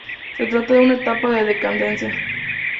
Se trata de una etapa de decadencia.